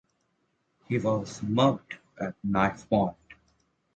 He was mugged at knifepoint.